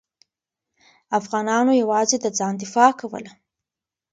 افغانانو یوازې د ځان دفاع کوله.